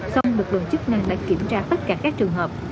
xong lực lượng chức năng đã kiểm tra tất cả các trường hợp